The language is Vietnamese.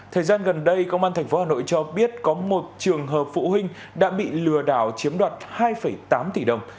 thời gian gần đây công an tp hà nội cho biết có một trường hợp phụ huynh đã bị lừa đảo chiếm đoạt hai tám tỷ đồng